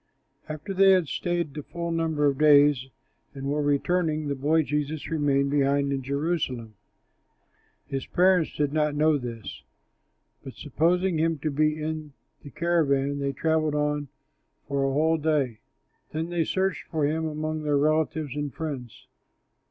After they had stayed the full number of days and were returning, the boy Jesus remained behind in Jerusalem. His parents did not know this; but, supposing him to be in the caravan, they travelled on for a whole day. Then they searched for him among their relatives and friends.